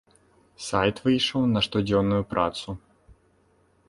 Сайт выйшаў на штодзённую працу.